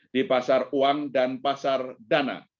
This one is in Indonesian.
di pasar uang dan pasar dana